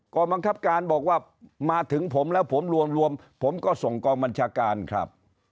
บังคับการบอกว่ามาถึงผมแล้วผมรวมผมก็ส่งกองบัญชาการครับ